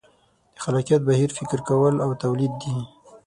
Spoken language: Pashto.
د خلاقیت بهیر فکر کول او تولید دي.